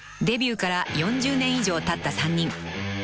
［デビューから４０年以上たった３人］